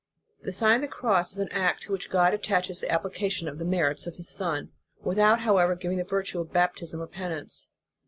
"* The Sign of the Cross is an act to which God attaches the application of the merits of His son, without, however, giving it the virtue of baptism or penance.